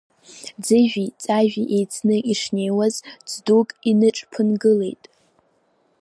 Ӡыжәи Ҵажәи еицны ишнеиуаз, ӡдук иныҽԥынгылеит.